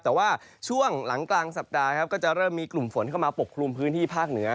แต่ว่าช่วงหลังกลางสัปดาห์ครับก็จะเริ่มมีกลุ่มฝนเข้ามาปกคลุมพื้นที่ภาคเหนือ